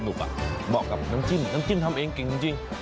เหมาะกับน้ำจิ้มน้ำจิ้มทำเองเก่งจริง